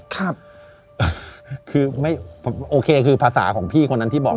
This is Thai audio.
คือไม่โอเคคือภาษาของพี่คนนั้นที่บอก